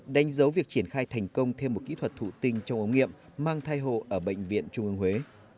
đánh dấu việc triển khai thành công thêm một kỹ thuật thụ tinh trong ống nghiệm mang thai hộ ở bệnh viện trung ương huế